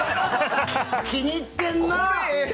気に入ってんな！